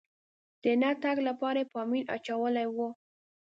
د نه تګ لپاره یې پامپر اچولی و.